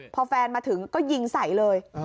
พอแฟนมาถึงก็ยิงใส่เลย